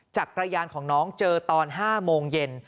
จักรยานของน้องเจอตอน๕โมงเย็น